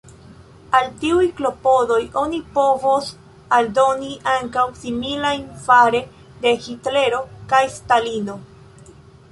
Al tiuj klopodoj oni povos aldoni ankaŭ similajn fare de Hitlero kaj Stalino.